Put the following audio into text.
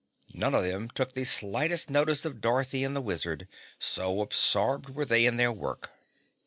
None of them took the slightest notice of Dorothy and the Wizard, so absorbed were they in their work.